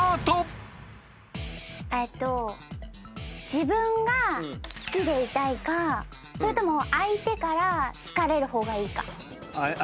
えっと自分が好きでいたいかそれとも相手から好かれる方がいいか。